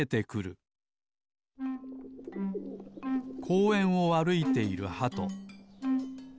こうえんをあるいているハト。